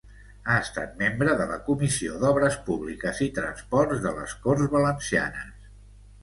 Ha estat membre de la Comissió d'Obres Públiques i Transports de les Corts Valencianes.